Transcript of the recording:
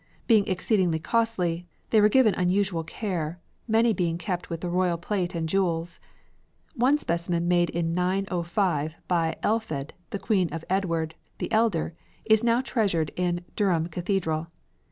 Being exceedingly costly, they were given unusual care, many being kept with the royal plate and jewels. One specimen made in 905 by Aelfled, the queen of Edward, the Elder, is now treasured in Durham Cathedral.